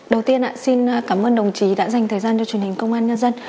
đầu tiên xin cảm ơn đồng chí đã dành thời gian cho truyền hình công an nhân dân